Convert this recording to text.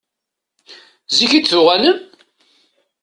Zik i d-tuɣalem?